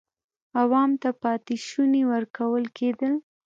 عوام ته پاتې شوني ورکول کېدل.